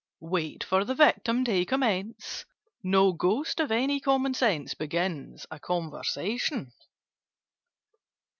Wait for the Victim to commence: No Ghost of any common sense Begins a conversation.